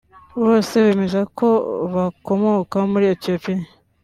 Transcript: bose bemeza ko bakomoka muri Ethiopia